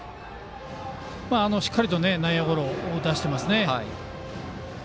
しっかりと内野ゴロを打たせていますね。